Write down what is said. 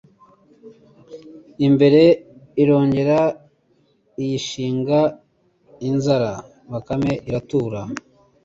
imbere irongera iyishinga inzara Bakame iratura